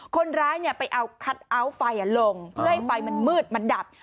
คนร้ายไปเอาคัทเอาท์ไฟลงเพื่อให้ไฟมันมืดมันดับ